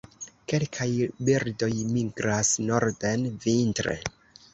Kelkaj birdoj migras norden vintre.